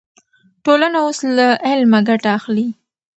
ټولنه اوس له علمه ګټه اخلي.